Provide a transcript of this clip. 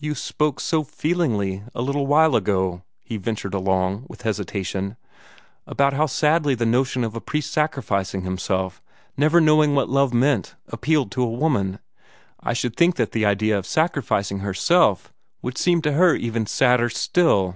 "You spoke so feelingly a little while ago," he ventured along, with hesitation, "about how sadly the notion of a priest's sacrificing himself never knowing what love meant appealed to a woman. I should think that the idea of sacrificing herself would seem to her even sadder still."